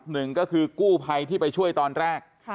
หนึ่งก็คือกู้ภัยที่ไปช่วยตอนแรก